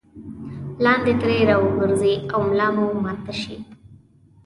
لاندې ترې راوغورځئ او ملا مو ماته شي.